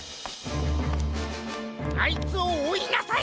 あいつをおいなさい！